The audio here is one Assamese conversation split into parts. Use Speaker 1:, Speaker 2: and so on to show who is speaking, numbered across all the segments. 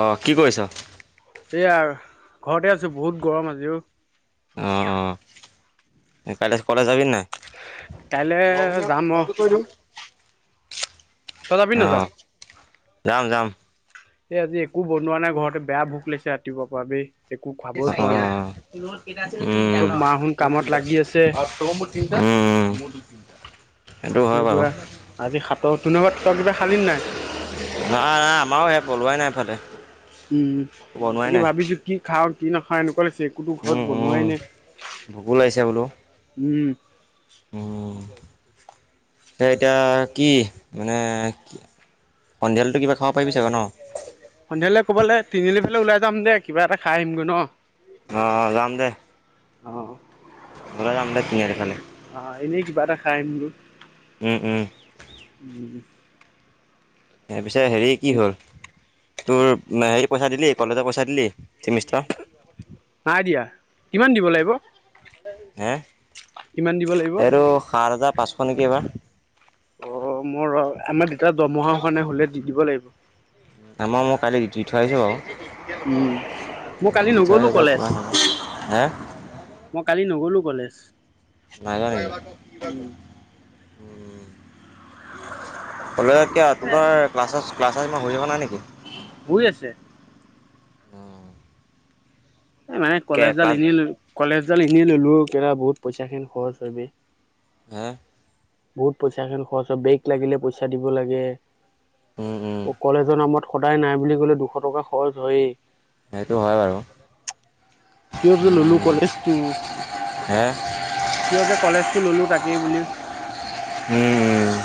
Speaker 1: অ' কি কৰিছ
Speaker 2: এইয়া আৰু ঘৰতে আছো বহুত গৰম আজি অ
Speaker 1: অ অ কাইলে কলেজ যাবি নাই
Speaker 2: কাইলে
Speaker 1: বৰষুণত
Speaker 2: যাম অ
Speaker 1: সহযোগ কৰি দিও
Speaker 2: তই যাবি নাযাও
Speaker 1: অ' যাম যাম।
Speaker 2: এই আজি একো বনোৱা নাই ঘৰত বেয়া ভোক লাগিছে ৰাতিপুৱাৰ পৰা বে একো
Speaker 1: অ উম
Speaker 2: খাবই পোৱা
Speaker 1: [unintelligible]
Speaker 2: নাই চব মাহোন কামত লাগি আছে
Speaker 1: তিনটা উম উম মোৰ দুটা
Speaker 2: তুমি যোৱাআজি সাতৰ তোনো ঘৰত কিবা খালি নে নাই।
Speaker 1: নাই নাই আমাৰও সেই পলোৱাই নাই এফালে।
Speaker 2: উম তাকে ভাবিছো কি খাওঁ কি নাখাওঁ এনেকুৱা লাগিছে। একোতো ঘৰত
Speaker 1: উম,
Speaker 2: বনোৱাই
Speaker 1: উম,
Speaker 2: নাই
Speaker 1: ভোকো লাগিছে বোলো।
Speaker 2: উম [unintelligible]
Speaker 1: তই এতিয়া কি মানে কি সন্ধিয়ালেটো কিবা খাব পাৰিবি চাগৈ ন
Speaker 2: সন্ধিয়ালে ক'বালে তিনিআলিফালে ওলাই যাম দে কিবা এটা খাই আহিমগৈ ন।
Speaker 1: অ অ যাম দে।
Speaker 2: অ
Speaker 1: ওলাই যাম দে তিনিআলি ফালে।
Speaker 2: অ' এনেই কিবা এটা খাই আহিম গৈ।
Speaker 1: উম উম
Speaker 2: উম
Speaker 1: সেয়া পিছে হেৰি কি হ'ল তোৰ হেৰি পইচা দিলি কলেজৰ পইচা দিলি চেমিষ্টাৰৰ।
Speaker 2: নাই দিয়া কিমান দিব লাগিব
Speaker 1: হে
Speaker 2: কিমান দিব লাগিব
Speaker 1: এইটো সাত হাজাৰ পাঁচশ নেকি এইবাৰ।
Speaker 2: অ' মোৰ ৰ আমাৰ দেউতাৰ দৰমহাৰ হোৱা নাই হ'লে দি দিব লাগিব।
Speaker 1: আামাৰ মই কালি দি দি থৈ আহিছো বাৰু।
Speaker 2: উম। মই কালি নগ'লো কলেজ,
Speaker 1: [unintelligible]
Speaker 2: মই কালি নগলো কলেজ।
Speaker 1: নাই যোৱা নেকি
Speaker 2: উম।
Speaker 1: উম কলেজত কিয় তহতৰ ক্লাছ ক্লাছ ইমান হৈ থকা নাই নেকি
Speaker 2: হৈ আছে
Speaker 1: উম
Speaker 2: এই মানে কলেজডাল এনেই কলেজডাল এনেই ললো অ বহুত পইচা খিনি খৰচ হয় বে
Speaker 1: হে
Speaker 2: বহুত পইচা খন খৰচ হয় ব্ৰেক লাগিলে পইচা দিব লাগে
Speaker 1: উম উম
Speaker 2: কলেজৰ নামত সদায় নাই বুলি ক'লেও দুশ টকা খৰচ হয়েই
Speaker 1: সেইটো হয় বাৰু
Speaker 2: কিয় যে ললো কলেজটো
Speaker 1: হে
Speaker 2: কিয় যে কলেজটো ললো তাকেই বুলি
Speaker 1: উম উম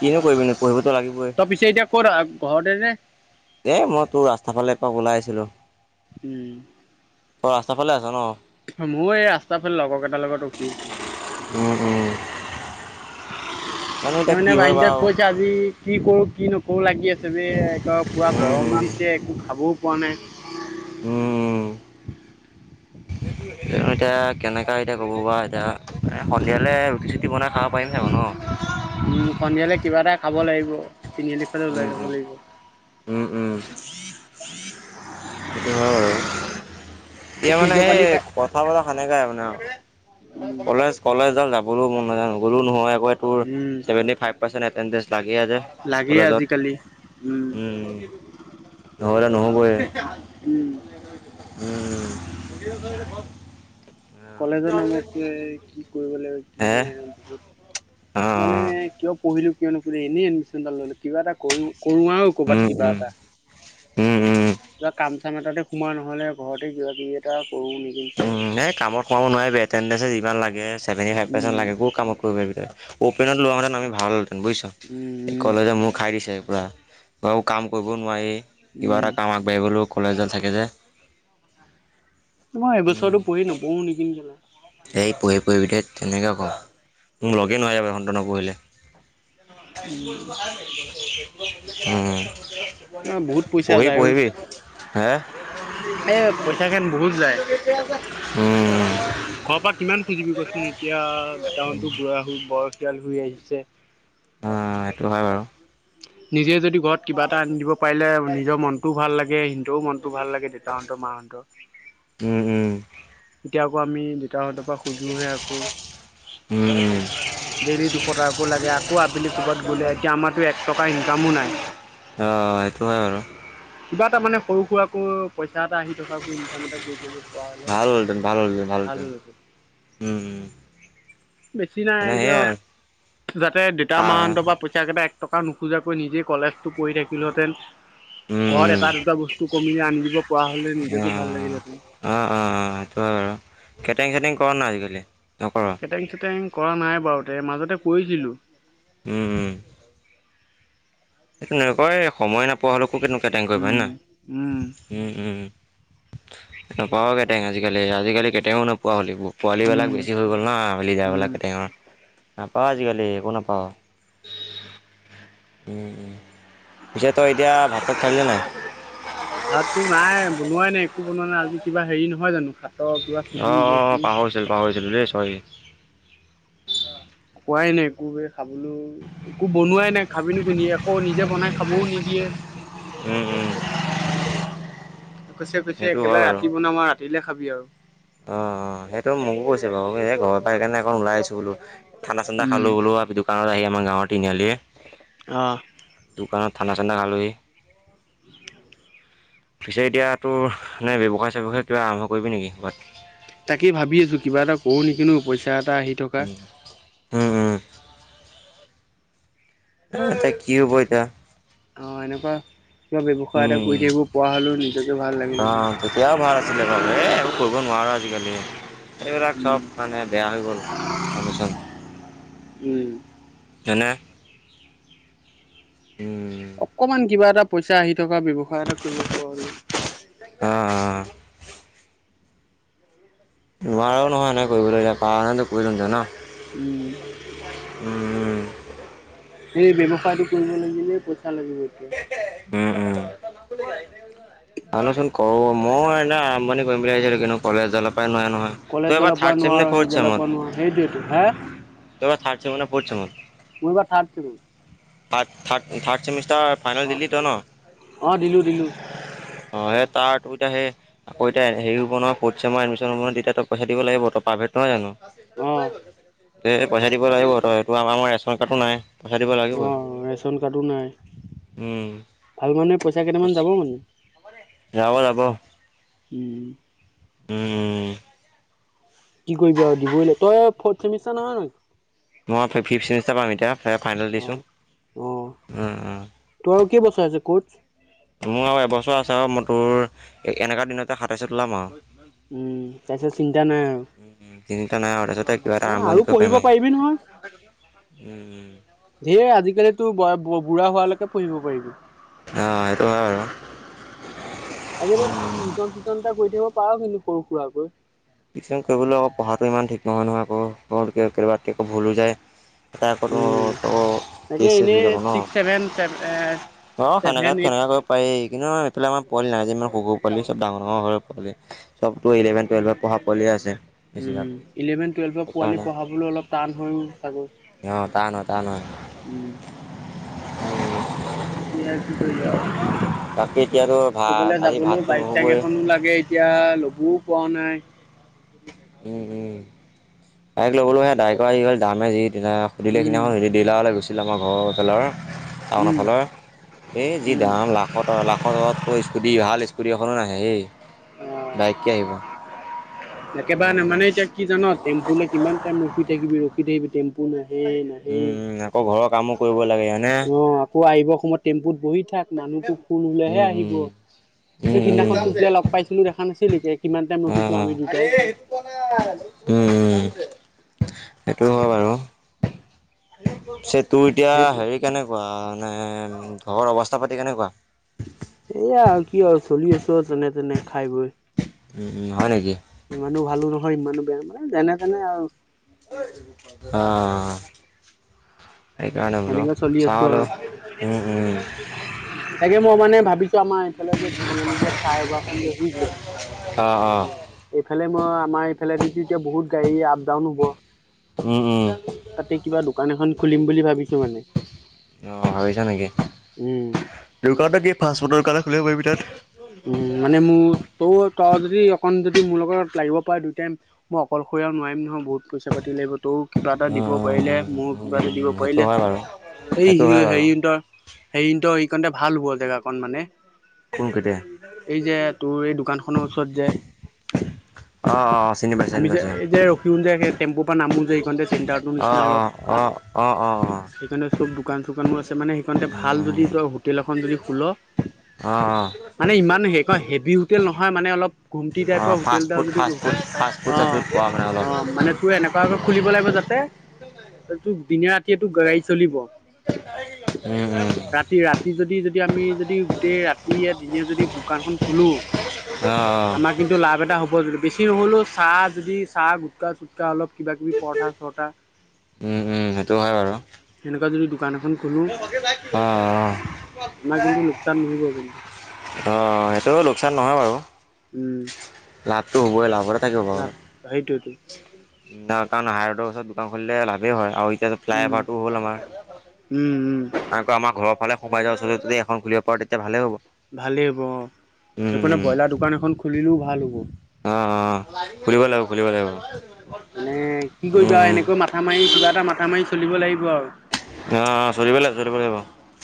Speaker 1: কিনো কৰিবি পঢ়িবতো লাগিবই
Speaker 2: তই পিছে এতিয়া কত ঘৰতে নে
Speaker 1: এই মই তোৰ ৰাস্তাৰ ফালে একপাক ওলাই আছিলোঁ।
Speaker 2: উম।
Speaker 1: অ' ৰাস্তাৰ ফালে আছ ন'?
Speaker 2: মই এই ৰাস্তাৰ ফালে লগৰ কেইটাৰ লগত ৰখি
Speaker 1: উম উম
Speaker 2: আছোঁ।
Speaker 1: জানো
Speaker 2: [unintelligible]
Speaker 1: এতিয়া কি হয় বাৰু
Speaker 2: যি কি কৰোঁ, কি নকৰোঁ লাগি আছে বে, একে পুৰা
Speaker 1: উম উম
Speaker 2: গৰমো দিছে একো খাবও পোৱা নাই।
Speaker 1: উম। [unintelligible] কেনেকুৱা এতিয়া ক'বৰ এতিয়া সন্ধিয়ালৈ ৰুটি চুটি বনাই খাব পাৰিম চাগৈ ন'?
Speaker 2: উম, সন্ধিয়ালৈ কিবা এটা খাব লাগিব, তিনিআলি ফালে ওলাই
Speaker 1: উম
Speaker 2: যাব
Speaker 1: উম
Speaker 2: লাগিব।
Speaker 1: উম, উম। সেইটো হয় বাৰু।
Speaker 2: এই
Speaker 1: এতিয়া মানে
Speaker 2: ফ্ৰিজৰ
Speaker 1: সেই
Speaker 2: পানী খাই
Speaker 1: ক কথা বতৰা সেনেকাই আৰু মানে।
Speaker 2: উম,
Speaker 1: কলেজ কলেজ যাবলৈ মন নাযায়, গ'লেও নহয় আকৌ তোৰ
Speaker 2: um,
Speaker 1: seventy five percent attendance লাগিয়ে যে
Speaker 2: লাগে
Speaker 1: কলেজত।
Speaker 2: আজিকালি
Speaker 1: উম, নহ'লে নহবয়ে,
Speaker 2: উম,
Speaker 1: উম। উম।
Speaker 2: কলেজৰ নামত কি কৰিব লাগিব
Speaker 1: হে
Speaker 2: কি [unintelligible]
Speaker 1: অ
Speaker 2: মানে কিয় পঢ়িলো কিয় নকিলো, এনেই এডমিশন ডাল ল'লোঁ কিবা এটা কৰি কৰোঁ আৰু ক'ৰবাত
Speaker 1: উম
Speaker 2: কিবা
Speaker 1: উম
Speaker 2: এটা।
Speaker 1: উম উম
Speaker 2: কিবা কাম চাম এটাতে সোমোৱা নহ'লে ঘৰতে কিবা কি [unintelligible] কৰোঁ নি।
Speaker 1: উম, এই কামত খমাব নোৱাৰিবি, এটেণ্ডেঞ্চ যিমান লাগে। ছেভেন্টি ফাইভ পাৰ্চেণ্ট
Speaker 2: উম,
Speaker 1: লাগে, ক'ত কাম কৰিব পাৰিব। অপেনত লোৱা মতে আমি ভাল হ'লহেঁতেন বুজিছ।
Speaker 2: উম।
Speaker 1: এই
Speaker 2: উম।
Speaker 1: কলেজে মোক খাই দিছে পুৰা, ঘৰৰ কাম কৰিব নোৱাৰি, কিবা
Speaker 2: উম,
Speaker 1: এটা কাম আ বাই বোলো কলেজত থাকে যে।
Speaker 2: মই
Speaker 1: উম
Speaker 2: এইবছৰটো পঢ়ি নপঢ়ো নেকি [unintelligible]
Speaker 1: এই পঢ় পঢ়িবি ধেত তেনেকে ক। মোক লগে নোহোৱা হৈ যাব [unintelligible] নপঢ়িলে।
Speaker 2: [inaudible]
Speaker 1: উম, উ,
Speaker 2: অ' বহুত পইচা
Speaker 1: পঢ়িবি
Speaker 2: যায় অ'
Speaker 1: পঢ়িবি। হে?
Speaker 2: এই পইচাখিন বহুত যায়।
Speaker 1: উম।
Speaker 2: ঘৰৰ পৰা কিমান খুজিবি কচোন, এতিয়া টাউনটো বুঢ়া, বয়সীয়াল হৈ আহিছে।
Speaker 1: অ', অ' সেইটো হয় বাৰু।
Speaker 2: নিজে যদি ঘৰত কিবা এটা আনি দিব পাৰিলে নিজৰ মনটোও ভাল লাগে তেওঁ মনটো ভাল লাগে, দেউতাহঁতৰ, মাহঁতৰ।
Speaker 1: উম উম।
Speaker 2: এতিয়া আকৌ আমি দেউতাহঁতৰ পৰা খুজোহে আকৌ।
Speaker 1: উম উম
Speaker 2: দেইলি দুশটাকো লাগে আকৌ আবেলি ক'ৰবাত গ'লে, এতিয়া আমাৰ এক টকা ইনকামো নাই।
Speaker 1: অ', অ' সেইটো হয় বাৰু।
Speaker 2: কিবা এটা মানে সৰু সুৰাকৈ পইচা এটা আহি থকাকৈ ইনকাম এটা কৰি থাকিব পোৱা হ'লে।
Speaker 1: ভাল হ'লহেঁতেন ভাল হ'ল
Speaker 2: ভাল
Speaker 1: ভালহেঁতেন,
Speaker 2: হ'ল হেতেন।
Speaker 1: উম।
Speaker 2: বেছি নাই
Speaker 1: মানে
Speaker 2: কিয়
Speaker 1: সেয়াই
Speaker 2: যাতে দেউতা,
Speaker 1: আৰু আ
Speaker 2: মাহঁতৰ পৰা পইচাকেইটা টকা নোখোজাকৈ নিজেই কলেজটো পঢ়ি থাকিলোঁহেঁতেন। ঘৰত
Speaker 1: উম,
Speaker 2: এটা দুটা বস্তু কমিলে আনি দিব পৰা হ'লে নিজকে ভাল লাগিলেতেন-
Speaker 1: অঁ অঁ অঁ সেইটো হয় বাৰু কেটাৰিং চেটিং কৰা নাই আজিকালি নকৰ-
Speaker 2: চেটেং চেটেং কৰা নাই বাৰু তে মাজতে কৰিছিলোঁ-
Speaker 1: উম উম- সটো নক কয় সময় নাপায়- প'লকো কেনেকুৱা কেটেং কৰিব হয়
Speaker 2: উম
Speaker 1: নাই
Speaker 2: উম
Speaker 1: উম উম - [unintelligible] ং আজিকালি আজাকালি কেতেং নোপোৱা হ'ল এইবোৰ- পোৱালিবিলাক
Speaker 2: উম
Speaker 1: বেছি হৈ গ'ল ন মেলি
Speaker 2: উম
Speaker 1: যাবিলাক কেটেংৰ নাপাওঁ আজিকালি একো নাপাওঁ
Speaker 2: উ [inaudible]
Speaker 1: উম উম পিছে তই এতিয়া ভাতাচাত খালিনে নাই
Speaker 2: ভাততো নাই বনোৱাই নাই একো বনোৱা নাই আজি কিবা হেৰি নহয় জানো ভাতৰ কিবা সুধি
Speaker 1: অঁ অ
Speaker 2: নে
Speaker 1: অ
Speaker 2: কি
Speaker 1: পাহৰিছিল পাহৰিছিলো দেই চৰি
Speaker 2: খোৱাই নাই একোকেই খাবলৈও- একো বনোৱাই নাই খাবি ন কো নিয়ে আকৌ নিজে বনাই খাবও নিদিয়ে-
Speaker 1: উম উম-
Speaker 2: কৈছে কৈছে
Speaker 1: সেইটো হয়
Speaker 2: একেবাৰে
Speaker 1: বাৰু।
Speaker 2: ৰাতি বনাম আৰু ৰাতিলে খাবি আৰু-
Speaker 1: অ অ সেইটো মোকো কৈছে বাৰু এই ঘৰৰ পৰা সেইকাৰেকণ ওলাই আছো বোলো- ঠাণ্া চাণ্া
Speaker 2: উম
Speaker 1: খালো বোলো আৰু দোকানত আহি আমাৰ গাঁৱ তিনিআলি-
Speaker 2: অঁ-
Speaker 1: দোকানত ঠাণ্ডা চানাা খালোহি-
Speaker 2: [inaudible]
Speaker 1: পিছে এতিয়াা তোৰ নে ব্যৱসায় চিৱসায় আৰম্ভ কৰিবি নেকি বাত-
Speaker 2: তাকে ভাবি আছোঁ কিবা এটা কৰোঁ নেকি ন পইচা এটা আহি- থকা
Speaker 1: উম উম উম- আ তা কি হ'ব এতয়া-
Speaker 2: অ এনেকুৱা কিবা ব্যৱসায় এটা কৰি
Speaker 1: উম।
Speaker 2: থাকিব পৰা হলেও নিজকে ভাল লাগিলে-
Speaker 1: এয়াও ভাল আছিলে বাৰু এই এইবোৰ কৰিব নোৱাৰোঁ আজিকালি- এইবিলাক
Speaker 2: উম।
Speaker 1: চব মানে বেয়া হৈ গ'ল অনুচন-
Speaker 2: উম-
Speaker 1: মানে- উম-
Speaker 2: অকমান কিবা এটা পইচা আহি থকা ব্যয়ৱসায় এটা কৰিব পৰা হলেওঁ
Speaker 1: অ অ- নোৱাৰা নহয় এনেকে কৰিবলৈ এতিয়া পাৰা হলে কৰিলোঁ হেতেন ন
Speaker 2: উম-
Speaker 1: উম,
Speaker 2: এই ব্যৱসায়টো কৰিব লাগিলে পইচা লাগিব এতিয়া-
Speaker 1: ভানোচোন কৰো মই এনে আৰম্ভণি কৰিম বুলি আহিছিলো কিন্তু কলেজডালৰ পৰাই নোৱাৰে নহয়- তই
Speaker 2: কলেজৰ
Speaker 1: এবাৰ
Speaker 2: পৰা
Speaker 1: থাৰ্ড ছেম নে
Speaker 2: নোৱাৰোঁ
Speaker 1: ফ'ৰ্থ
Speaker 2: সেইৰি জলৰ
Speaker 1: ছেমত
Speaker 2: পৰা নোৱাৰোঁ সেইটোৱেত হে-
Speaker 1: তই থাৰ্ড ছেমত নে ফৰ্থ চেমত
Speaker 2: মই এইবাৰ থাৰ্ড চেমত
Speaker 1: থাৰ্ড থ্ড থাৰ্ড ছেমিষ্টাৰ ফাইনেল দিল্লীটো ন-
Speaker 2: অঁ দিলোঁ দিলোঁ-
Speaker 1: অ সেই তাৰঠ [unintelligible] আক এতিয়া সেই হব নহয় ফৰ্থ চেমৰ এডমিশ্যন হব নহয় তেতিয়া তই পইচা দিব লাগিব ত তই প্ৰাইভেট নহয় জানো-
Speaker 2: অ
Speaker 1: পইচা দিব লাগিব তই এইটো আমাৰ ৰেচন কাৰ্ডো নাই- পইচাই দিব
Speaker 2: অ
Speaker 1: লাগিবই,
Speaker 2: ৰেচন কাৰ্ডো নাই
Speaker 1: উম
Speaker 2: ভাল মানুহে পইচা কেইটামান যাব মানে
Speaker 1: যাব, যাব।
Speaker 2: উম
Speaker 1: উম উ
Speaker 2: কি কৰিব আৰু দিবই লাগ, তই ফৰ্থ চেমিষ্টাৰ নহয় জানো?
Speaker 1: মই ফি, ফিফথ ছেমিষ্টাৰ পাম এতিয়া, ফাইনেল দিছোঁ।
Speaker 2: অ', অ',
Speaker 1: উম, উম
Speaker 2: তোৰ আৰু কেই বছৰ আছে ক'চ?
Speaker 1: মোৰ আৰু এবছৰ আছে আৰু মই তোৰ এনেকা দিনতে সাতাইশত ওলাম আৰু।
Speaker 2: উম, তাৰ পিছত চিন্তা নাই আৰু।
Speaker 1: চিন্তা নাই আও, তাছতে কিবা এটা
Speaker 2: আৰু
Speaker 1: আৰম্ভণি কৰিব
Speaker 2: পঢ়িব
Speaker 1: পাৰিম
Speaker 2: পাৰিবি নহয়,
Speaker 1: আৰু, উম, উম।
Speaker 2: যিহেতু আজিকালি তোৰ বা বুঢ়া হোৱালৈকে পঢ়িব পাৰিবি।
Speaker 1: অ', সেইটো হয়।
Speaker 2: তাকে তই টিউশ্বন চিউচন এটা কৰি থাকিব পাৰ কিন্তু সৰু সুৰাকৈ
Speaker 1: টিউশ্বন কৰিবলৈ আকৌ পঢ়াতো ইমান ঠিক নহয় নহয় আকৌ, [unintelligible] আকৌ ভুল হৈ যায়। [inaudible]
Speaker 2: উম, তাকে
Speaker 1: কেচ চেচ হৈ
Speaker 2: এনেই
Speaker 1: যাব ন?
Speaker 2: ছিক্স ছেভেন
Speaker 1: অ'
Speaker 2: ছেভেন
Speaker 1: সেনেকুৱাত
Speaker 2: এইট
Speaker 1: তেনেকুৱা কৰিব পাৰি, কিন্তু এইফালে আমাৰ পোৱালি নাই যে ইমান সৰু সৰু পোৱালি, চব ডাঙৰ ডাঙৰ [unintelligible] ‌ পোৱালি, চবতো ইলেভেন টুৱেলভত পঢ়া পোৱালীয়ে আছে। বেছিভাগ
Speaker 2: উম, ইলেভেন টুৱেল্ভৰ পোৱালি
Speaker 1: সেইকাৰণে।
Speaker 2: পঢ়াবলৈ অলপ টান হয় চাগৈ!
Speaker 1: অ, টান হয়, টান হয়।
Speaker 2: উম এতিয়া কি কৰিবা আও,
Speaker 1: বাকী এতিয়াতো ভাত
Speaker 2: সেইফালে
Speaker 1: আজি
Speaker 2: যাবলৈও
Speaker 1: ভাতটো
Speaker 2: বাইক চাইক
Speaker 1: নহ'বই
Speaker 2: এখন লাগে। এতিয়া ল'বও পৰা নাই।
Speaker 1: উম, উম। বাইক ল'বলৈ সেয়া বাইকৰ যি ডাল দাম হে যি দিলাৰৰ, সুধিলে
Speaker 2: উম,
Speaker 1: সিনাখন ৰেত ডিলাৰলৈ গৈছিল আমাৰ ঘৰৰ ওচৰৰ ল'ৰা,
Speaker 2: উম,
Speaker 1: টাউনৰফালে, এই যি
Speaker 2: উম,
Speaker 1: দাম লাখ [unintelligible] লাখৰ তলত তোৰ স্কুটি ভাল স্কুটি এখনো নাহে হেই,
Speaker 2: অ'।
Speaker 1: বাইক কি আহিব?
Speaker 2: একেবাৰে নামানে এতিয়া কি জান, টেম্পুলৈ কিমান টাইম ৰখি থাকিবি ৰ খি থাকিবি, টেম্পু নাহে, নাহে,
Speaker 1: উম আকৌ ঘৰৰ কামো কৰিব লাগে হয়নে
Speaker 2: অ। তোৰ আহিবৰ সময়ত টেম্পুত বহি থাক, মানুহতো ফুল হ'লেহে
Speaker 1: উম
Speaker 2: আহিব।
Speaker 1: উম
Speaker 2: সেই
Speaker 1: উম উম
Speaker 2: সিদিনাখন তোক যে লগ পাইছিলো দেখা নাছিলি, কিমান টাইম
Speaker 1: অ
Speaker 2: ৰখিছো
Speaker 1: অ
Speaker 2: আমি দুট
Speaker 1: উম, উম সেইটো হয় বাৰু
Speaker 2: [inaudible]
Speaker 1: পিছে তোৰ এতিয়া
Speaker 2: সেইটো
Speaker 1: হেৰি কেনেকুৱা, মানে ঘৰৰ অৱস্থা পাতি কেনেকুৱা?
Speaker 2: এয়া আও, কি আও, চলি আছো আ, যেনে তেনে খাই বৈ।
Speaker 1: উম, উম, হয় নেকি?
Speaker 2: ইমানো ভালো নহয়, ইমানো বেয়া নহয়, যেনে তেনে আৰু।
Speaker 1: অ' সেইকাৰণে বোলো,
Speaker 2: সেনেকে চলি আছো
Speaker 1: চাওঁ
Speaker 2: আৰু
Speaker 1: ৰহ, উম, উম।
Speaker 2: তাকে মই মানে ভাবি ছো, এই আমাৰ এইফালে যে তিনিআলিৰ যে ফ্লাই অভাৰখন হৈছে
Speaker 1: অ অ
Speaker 2: এইফালে মই, আমাৰ এইফালে দিতো এতিয়া বহুত গাড়ী আপ ডাউন হ'ব
Speaker 1: উম
Speaker 2: তাতেই কিবা দোকান এখন খুলিম বুলি ভাবিছো মানে।
Speaker 1: অ' ভাবিছা নেকি?
Speaker 2: উম
Speaker 1: দোকানটো কি ফাষ্টফুডৰ দোকান এ খুলিব পাৰিবি তাত?
Speaker 2: উ মানে মোৰ তই তই যদি অকণ যদি মোৰ লগত লাগিব পাৰ দুইটাই মই অকলশৰীয়া আৰু নোৱাৰিম নহয় বহুত পইচা পাতি লাগিব? তইও কিবা এটা দিব পাৰিলে মোৰো কিবা এটা দিব
Speaker 1: উম সেইটো
Speaker 2: পাৰিলে
Speaker 1: হয় বাৰু
Speaker 2: এই
Speaker 1: সেইটো
Speaker 2: হি
Speaker 1: হয় বাৰু
Speaker 2: হেৰিহ'তৰ হেৰিহ'তৰ এইকণতে ভাল হোৱা জেগাকণ মানে?
Speaker 1: কোন কেতিয়া
Speaker 2: এই যে তোৰ এই দোকানখনৰ ওচৰত যে?
Speaker 1: অ অ অ চিনি পাইছো চিনি
Speaker 2: আমি যে
Speaker 1: পাইছো
Speaker 2: এই যে ৰখিও যে সেই টেম্পুৰ পৰা নামো যে এইকনটে চেণ্টাৰৰ নিচিনা অলপ
Speaker 1: অঁ, অঁ, অঁ।
Speaker 2: সেইকণটে চব দোকান চোকানো আছে মানে সেইকণতে ভাল
Speaker 1: অ
Speaker 2: যদি তই হোটেল এখন যদি খোল
Speaker 1: অ' অ'।
Speaker 2: মানে ইমান সেইখন হেভি হোটেল নহয়, মানে অলপ ঘুমটি টাইপৰ হোটেল এটা যদি
Speaker 1: ফাুষ্ট ফুড চাষ্ট ফুড
Speaker 2: অ
Speaker 1: হোৱা।
Speaker 2: অ' মানে তোৰ এনেকুৱাকে খুলিব লাগিব যাতে তোৰ দিনে ৰাতি তিয়েটো গৰা়ই চলিব
Speaker 1: উম উম
Speaker 2: ৰাতি ৰাতি যদি যদি আমি যদি গোটেই ৰাত তিয়ে দিনে যদি দোকানখন খোলো।
Speaker 1: অ অ
Speaker 2: আমা কিন্তু লাভ এটা হ'ব, যদি বেছি নহলেও চাহ যদি চাহ গোটকা অলপ কিবা কিবি পৰঠা চৰঠা
Speaker 1: উম, উম সেইটো হয় বাৰু।
Speaker 2: সেনেকুৱা যদি দোকান এখন খোলোঁ।
Speaker 1: বা
Speaker 2: আমাৰ কিন্তু লোকচান নহ'ব কিন্তু।
Speaker 1: অঁ সেইটো লোকচান নহয় বাৰু।
Speaker 2: উম।
Speaker 1: লাভটো হ'বই, লাভৰ
Speaker 2: লাভ সেইটোয়েটো।
Speaker 1: না কাৰণ হাই ৰোডৰ ওচৰত দোকান খুলিলে লাভেই হয়। আৰু এতিয়া ফ্লাই
Speaker 2: উম
Speaker 1: অভাৰটো হ'ল আমাৰ,
Speaker 2: উম উম
Speaker 1: আকৌ আমাৰ ঘৰৰ ফালে সোমাই যোৱা ৰাস্তাতে যদি এখন খুলিব পাৰো তেতিয়া ভালে হ'ব।
Speaker 2: ভালেই হ'ব অ', সেইপিনে
Speaker 1: উম
Speaker 2: ব্ৰইলাৰ দোকান এখন খুলিলেও ভাল হ'ব।
Speaker 1: অ' অ' খুলিব লাগিব খুলিব লাগিব উম উম।
Speaker 2: কৌ মাথা মাৰি কিবা এটা মাথা মাৰি চলিব লাগিব আৰু।
Speaker 1: অ' অ' চলিব লাগিব চলিব লাগিব।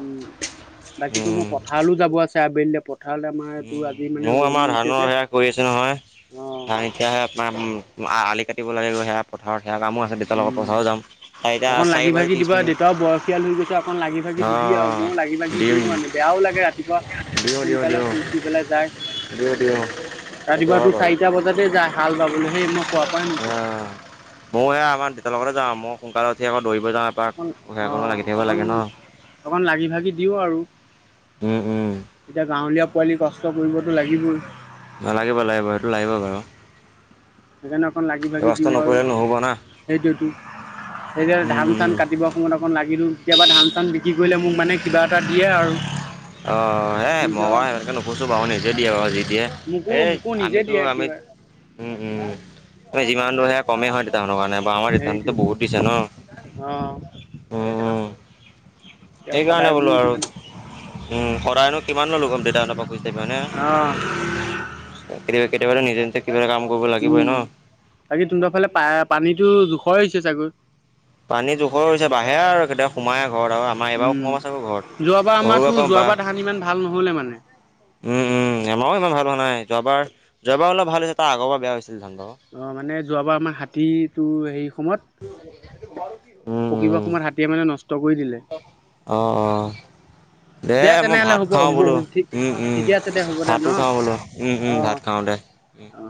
Speaker 2: উম বাকীতো
Speaker 1: উম
Speaker 2: মোৰ পথাৰলৈ যাব আছে, আবেলি পথ
Speaker 1: উম ময়ো আমাৰ ধানৰ
Speaker 2: যে।
Speaker 1: সেয়াই কৰি আছো নহয়?
Speaker 2: অ'
Speaker 1: ধান এতিয়াহে আপোনাৰ উম উম আ আলি কাটিব লাগেগৈ সেয়া পথাৰত সেয়া কামো আছে দেউতাৰ লগত
Speaker 2: উম।
Speaker 1: পথাৰো যাম। চাৰিটা
Speaker 2: অকণ
Speaker 1: চাৰি
Speaker 2: লাগি
Speaker 1: বাজি
Speaker 2: ভাগি
Speaker 1: ত্ৰিছ
Speaker 2: দিবা
Speaker 1: মিনিট
Speaker 2: দেউতাও বয়সিয়াল হৈ গৈছে অকণ লাগি ভাগি দিবি আৰু,
Speaker 1: অঁ
Speaker 2: মইও লাগি ভাগি
Speaker 1: দিম
Speaker 2: দিও মানে। বেয়াও লাগে ৰাতিপুৱা।
Speaker 1: দিওঁ, দিওঁ,
Speaker 2: সোনকালে
Speaker 1: দিওঁ।
Speaker 2: শুই উঠি পেলাই যায়
Speaker 1: দিওঁ দিওঁ সেইটো
Speaker 2: ৰাতিপুৱা
Speaker 1: হয়
Speaker 2: তোৰ
Speaker 1: বাৰু
Speaker 2: চাৰিটা বজাতে যাই হাল বাবলৈ। সেই মই শুৱাৰ পৰাই
Speaker 1: আ
Speaker 2: নুঠো।
Speaker 1: ময়ো সেই আমাৰ দেউতাৰ লগতে যাওঁ, মই সোনকালে উঠি আকৌ দৌৰিব যাওঁ। বাক
Speaker 2: অকণ
Speaker 1: ককাইয়েকৰ লগত লাগি
Speaker 2: অ'
Speaker 1: থাকিব
Speaker 2: অকণ
Speaker 1: লাগে ন?
Speaker 2: অকণ লাগি ভাগি দিওঁ আৰু।
Speaker 1: উম, উম।
Speaker 2: এতিয়া গাঁৱলীয়া পোৱালি কষ্ট কৰিবতো লাগিবই।
Speaker 1: নালাগিব লাগিব সেইটো লাগিব বাৰু।
Speaker 2: সেইকাৰণে অকণ লাগি
Speaker 1: এই
Speaker 2: ভাগি
Speaker 1: কষ্ট
Speaker 2: দিওঁ আৰু
Speaker 1: নকৰিলে নহ'ব না
Speaker 2: সেইটোৱেটো সেইকাৰণে
Speaker 1: উম
Speaker 2: ধান।
Speaker 1: উম
Speaker 2: ধান কাটিবৰ সময়ত অকণ লাগিলোঁ কেতিয়াবা ধান চান বিক্ৰী কৰিলে মোক মানে কিবা এটা দিয়ে আৰু।
Speaker 1: অ এই মই
Speaker 2: নিজৰ
Speaker 1: বাৰু সেনেকৈ নোখোজো বাৰু নিজে দিয়ে বাৰু যি দিয়ে
Speaker 2: মোকো
Speaker 1: এই
Speaker 2: মোকো নিজে
Speaker 1: আমিতো
Speaker 2: দিয়ে
Speaker 1: আমি।
Speaker 2: কিবা
Speaker 1: উম উম উম তুমি যিমান দূৰ সেয়া কমেই হয় দেউতা সিহঁতৰ কাৰণে। বা আমাৰ দেউতাহঁতেতো বহুত দিছে ন
Speaker 2: সেইটোৱেটো অ।
Speaker 1: উম উম
Speaker 2: এতিয়া
Speaker 1: সেইকাৰণে
Speaker 2: সদায়
Speaker 1: বোলো আৰু উম সদায়নো কিমান দেউতাহঁতৰ পৰা খুজি থাকিব হয়নে।
Speaker 2: অ।
Speaker 1: কেতিয়াবা কেতিয়াবাটো নিজে নিজে কিবা এটা কাম কৰিব লাগিবই ন।
Speaker 2: বাকী তোহতৰ ফালে পা পানীতো জোখৰ হৈছে চাগৈ।
Speaker 1: পানী জোখৰ হৈছে বাঢ়েহে আৰু কেতিয়াবা সোমায়ে ঘৰত আৰু আম।
Speaker 2: উম, যোৱাবাৰ আমাৰতো
Speaker 1: কম বা
Speaker 2: যোৱাবাৰ ধান ইমান ভাল নহ'লে মানে।
Speaker 1: উম, উম, আমাৰো ইমান ভাল হোৱা নাই যোৱাবাৰ যোৱাবাৰ ওলপ ভাল হৈছে তাৰ আগৰবাৰ বেয়া হৈছিল ধান বাৰু।
Speaker 2: অ, ' মানে যোৱাবাৰ আমাৰ হাতীটো হেৰী সময়ত।
Speaker 1: উম
Speaker 2: পকিবৰ
Speaker 1: উম
Speaker 2: সময়ত হাতীয়ে মানে নষ্ট কৰি দিলে।
Speaker 1: অ, 'অ'। দে মই
Speaker 2: তেনেহ'লে
Speaker 1: ভাত
Speaker 2: হ'ব
Speaker 1: খাওঁ
Speaker 2: হ'ব
Speaker 1: বোলো
Speaker 2: ঠিক
Speaker 1: উম, উম,
Speaker 2: ঠিকে আছে দে হ'ব দে
Speaker 1: ভাতো
Speaker 2: ন
Speaker 1: খাওঁ বোলো উম, উম, ভাত
Speaker 2: অ',
Speaker 1: খাওঁ দে।
Speaker 2: অ'।